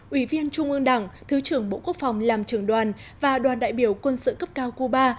ủy viên trung ương đảng thứ trưởng bộ quốc phòng làm trưởng đoàn và đoàn đại biểu quân sự cấp cao cuba